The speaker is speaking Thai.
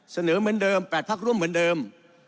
เสนอเหมือนเดิม๘พักร่วมเหมือนเดิม